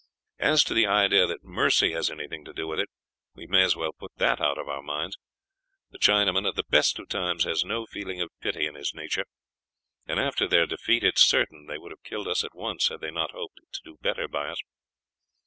As to the idea that mercy has anything to do with it, we may as well put it out of our minds. The Chinaman, at the best of times, has no feeling of pity in his nature, and after their defeat it is certain they would have killed us at once had they not hoped to do better by us.